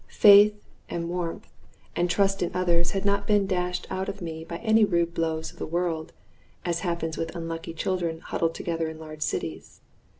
Faith, and warmth, and trust in others had not been dashed out of me by any rude blows of the world, as happens with unlucky children huddled together in large cities.